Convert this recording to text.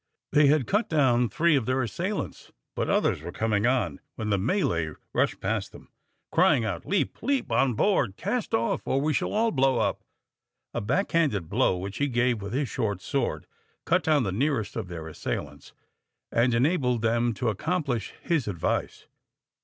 They had cut down three of their assailants, but others were coming on, when the Malay rushed past them, crying out, "Leap, leap on board; cast off, or we shall all blow up." A back handed blow which he gave with his short sword cut down the nearest of their assailants, and enabled them to accomplish his advice.